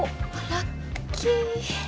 ラッキー！